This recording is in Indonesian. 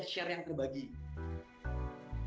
karena kan akan banyak yang mengurangi omset